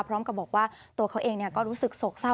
พร้อมกับบอกว่าตัวเขาเองก็รู้สึกโศกเศร้า